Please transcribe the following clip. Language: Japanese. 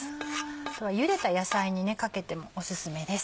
あとはゆでた野菜にかけてもおすすめです。